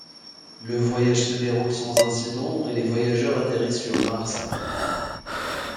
Le voyage se déroule sans incident et les voyageurs atterrissent sur Mars.